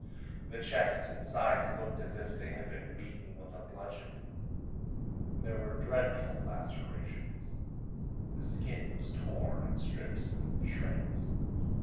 The chest and sides looked as if they had been beaten with a bludgeon. There were dreadful lacerations; the skin was torn in strips and shreds.